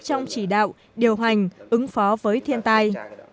trong chỉ đạo điều hành ứng phó với thiên tai